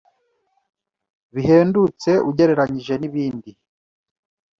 bihendutse ugereranyije n’ibindi,